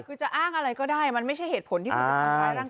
คือจะอ้างอะไรก็ได้มันไม่ใช่เหตุผลที่คุณจะทำร้ายร่างกาย